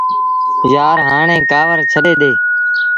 يآر هآڻي ڪآوڙ ڇڏي ڏي۔